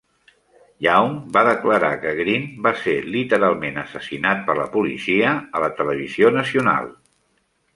Young va declarar que Green va ser "literalment assassinat per la policia" a la televisió nacional.